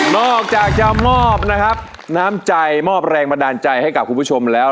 นอกจากจะมอบนะครับน้ำใจมอบแรงบันดาลใจให้กับคุณผู้ชมแล้ว